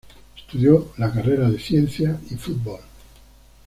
Estudio la carrera de Ciencia y Fútbol.